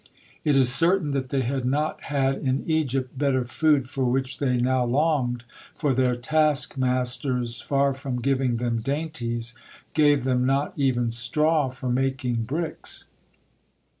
It is certain that they had not had in Egypt better food for which they now longed, for their taskmasters, far from giving them dainties, gave them not even straw for making bricks.